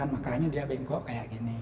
makanya dia bengkok kayak gini